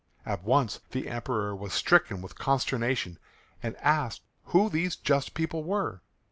At once the Emperor was stricken with consternation and asked who these just people were.